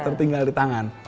tertinggal di tangan